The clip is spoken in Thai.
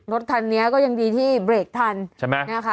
รถคันนี้ก็ยังดีที่เบรกทันใช่ไหมนะคะ